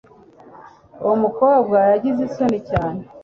uwo mukobwa yagize isoni cyane